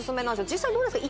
実際どうですか？